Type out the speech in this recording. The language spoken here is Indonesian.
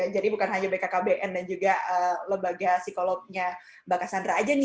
jadi bukan hanya bkkbn dan juga lembaga psikolognya mbak cassandra aja nih